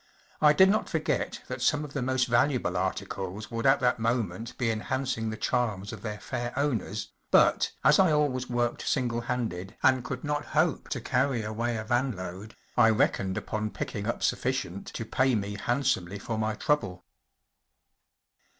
I did not forget that some of the most valuable articles would at that moment be enhancing the charms of their fair owners, but, as I always worked single handed and could not hope to carry away a van load, 1 reckoned upon picking up sufficient to pay me handsomely for my trouble.